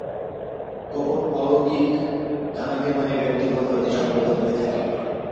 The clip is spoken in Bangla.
কপট অলৌকিক জ্ঞানাভিমানী ব্যক্তিগণ হইতে সর্বদা দূরে থাকিবে।